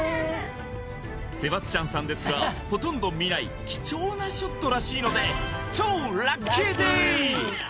セバスチャンさんですらほとんど見ない貴重なショットらしいので超ラッキーデー！